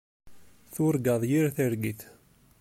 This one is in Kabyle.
Turgaḍ yir targit.